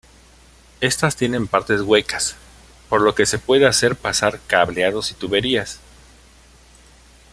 Estas tienen partes huecas, por lo que se puede hacer pasar cableados y tuberías.